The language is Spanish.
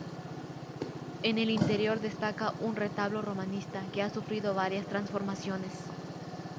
En el interior destaca un retablo romanista que ha sufrido varias transformaciones.